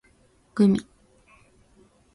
gumi